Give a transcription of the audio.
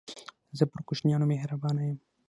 زه پر کوچنيانو مهربانه يم.